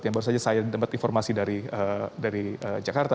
yang baru saja saya dapat informasi dari jakarta